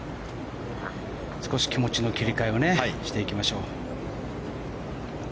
少し気持ちの切り替えをしていきましょう。